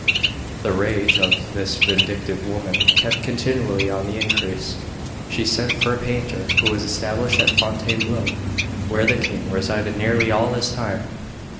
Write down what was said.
The rage of this vindictive woman kept continually on the increase. She sent for a painter who was established at Fontainebleau, where the King resided nearly all his time.